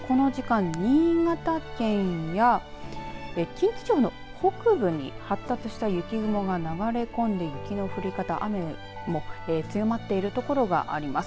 そして特に、この時間新潟県や近畿地方の北部に発達した雪雲が流れ込んで雪の降り方、雨も強まっている所があります。